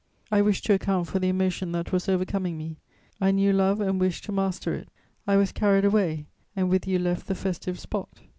I wished to account for the emotion that was overcoming me. I knew love and wished to master it.... I was carried away, and with you left the festive spot.